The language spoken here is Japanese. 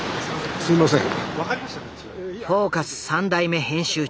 すいません。